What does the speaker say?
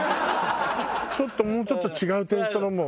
ちょっともうちょっと違うテイストのも。